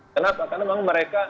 kenapa karena memang mereka